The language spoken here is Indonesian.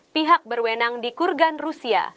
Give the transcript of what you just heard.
pihak berwenang di kurgan rusia